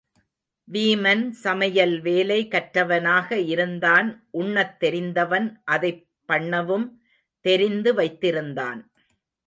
வீமன் சமையல் வேலை கற்றவனாக இருந்தான், உண்ணத் தெரிந்தவன் அதைப் பண்ணவும் தெரிந்து வைத்திருந் தான்.